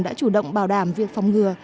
đã chủ động bảo đảm việc phòng ngừa